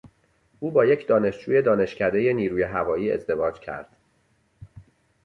او با یک دانشجوی دانشکدهی نیروی هوایی ازدواج کرد.